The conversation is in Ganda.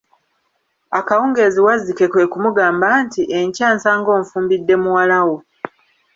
Akawungezi, wazzike kwe kumugamba nti, enkya nsaga onfumbidde muwala wo.